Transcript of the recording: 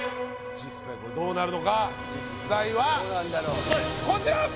実際これどうなるのか実際はこちら！